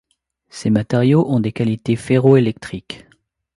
Ces matériaux ont des qualités ferroélectriques.